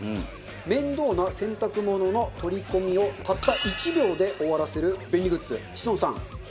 面倒な洗濯物の取り込みをたった１秒で終わらせる便利グッズ。